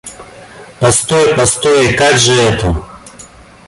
Постой, постой, как же это?